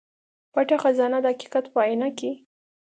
پټه خزانه د حقيقت په اينه کې